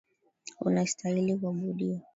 Unastahili kuabudiwa.